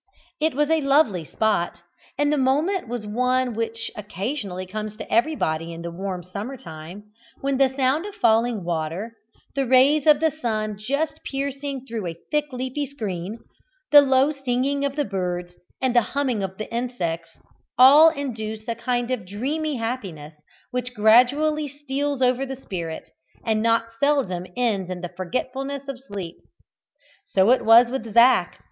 It was a lovely spot, and the moment was one which occasionally comes to everybody in the warm summer time, when the sound of falling water, the rays of the sun just piercing through a thick leafy screen, the low singing of the birds and the humming of the insects, all induce a kind of dreamy happiness which gradually steals over the spirit, and not seldom ends in the forgetfulness of sleep. So it was with Zac.